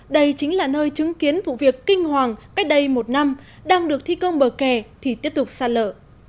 đây chính là nơi chứng kiến vụ việc kinh hoàng cách đây một năm đang được thi công bờ kè thì tiếp tục sạt lở